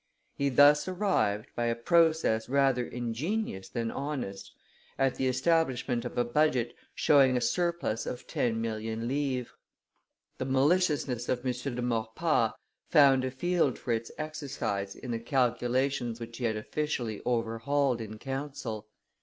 He thus arrived, by a process rather ingenious than honest, at the establishment of a budget showing a surplus of ten million livres. The maliciousness of M. de Maurepas found a field for its exercise in the calculations which he had officially overhauled in council.